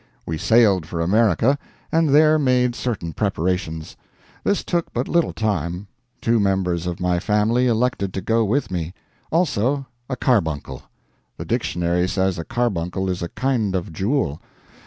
We sailed for America, and there made certain preparations. This took but little time. Two members of my family elected to go with me. Also a carbuncle. The dictionary says a carbuncle is a kind of jewel.